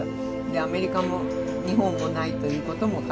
アメリカも日本もないということも書いた。